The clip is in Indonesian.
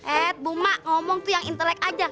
at buma ngomong tuh yang intelek aja